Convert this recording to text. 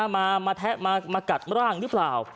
มาแทะมากัดร่างหรือเปล่า